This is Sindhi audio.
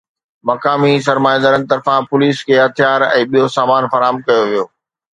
مقامي سرمائيدارن طرفان پوليس کي هٿيار ۽ ٻيو سامان فراهم ڪيو ويو